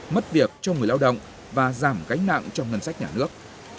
mất việc cho người lao động và giảm gánh nặng cho ngân sách nhà nước